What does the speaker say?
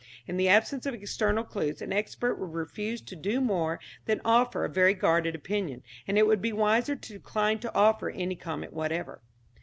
In the absence of external clues, an expert would refuse to do more than offer a very guarded opinion, and it would be wiser to decline to offer any comment whatever.